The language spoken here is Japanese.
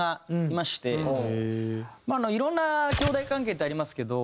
いろんなきょうだい関係ってありますけど。